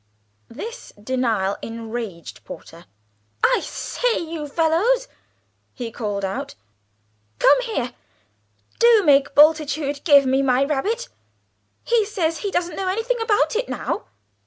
This denial enraged Porter. "I say, you fellows," he called out, "come here! Do make Bultitude give me my rabbit. He says he doesn't know anything about it now!"